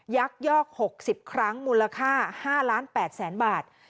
ยักษ์ยอก๖๐ครั้งมูลค่า๕๘๐๐๐๐๐บาท